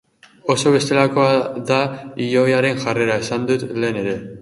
Oso bestelakoa da ilobaren jarrera, esan dut lehen ere.